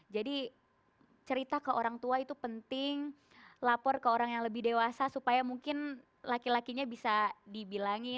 jadi cerita ke orang tua itu penting lapor ke orang yang lebih dewasa supaya mungkin laki lakinya bisa dibilangi